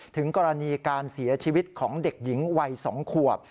ถึงกรณีการเสียชีวิตของเด็กหญิงวัย๒ขวบ